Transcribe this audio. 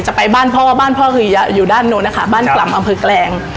จะไปบ้านพ่อบ้านพ่อคืออยู่ด้านนู้นนะคะบ้านกล่ำอำเภอแกลง